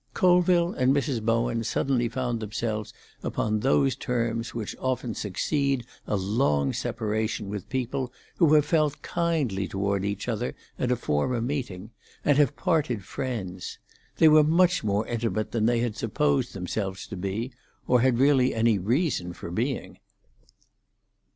Colville and Mrs. Bowen suddenly found themselves upon those terms which often succeed a long separation with people who have felt kindly toward each other at a former meeting and have parted friends: they were much more intimate than they had supposed themselves to be, or had really any reason for being.